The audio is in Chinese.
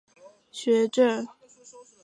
光绪十一年任山西学政。